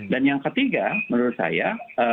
dan yang ketiga menurut saya